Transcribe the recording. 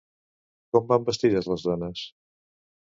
Com van vestides les dones?